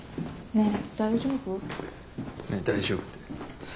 何大丈夫って。